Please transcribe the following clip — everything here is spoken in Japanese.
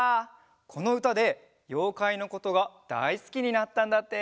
このうたでようかいのことがだいすきになったんだって。